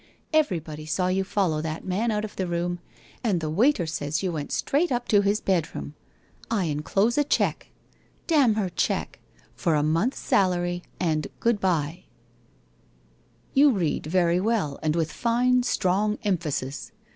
Everybody saw you follow that man out of the room, and the waiter says you went straight up to his bedroom. I enclose a cheque." — damn her cheque! — "for a month's salary, and good bye." '* You read very well and with fine strong emphasis